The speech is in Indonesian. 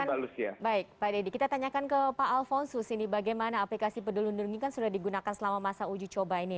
oke kita tanyakan ke pak alphonsus ini bagaimana aplikasi pendulung dulung ini kan sudah digunakan selama masa uji coba ini